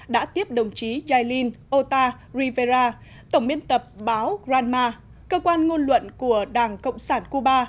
đã tiếp đồng chí yailin ota rivera tổng biên tập báo granma cơ quan ngôn luận của đảng cộng sản cuba